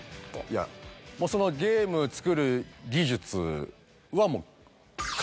いやゲーム作る技術はもう。